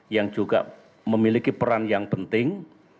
yang juga memiliki peran yang penting